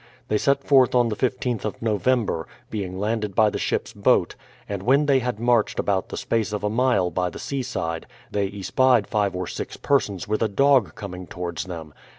They set forth on the 15th of Novem ber, being landed by the ship's boat, and when they had marched about the space of a mile by the sea side, they espied five or six persons with a dog coming towards them.